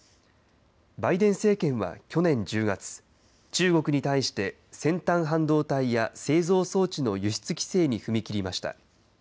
バイデン政権は去年１０月、中国に対して、先端半導体や製造装置の輸出規制に踏み切りました。